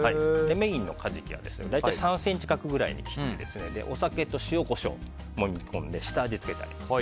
メインのカジキは大体３ｃｍ角ぐらいに切ってお酒と塩、コショウをもみ込んで下味をつけてあります。